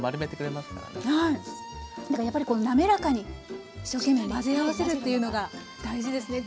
だからやっぱり滑らかに一生懸命混ぜ合わせるというのが大事ですね。